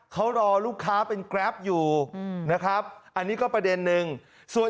เขารอลูกค้าเป็นแกร๊บอยู่นะครับอันี้ก็ประเด็นนึงส่วนอีกประเด็น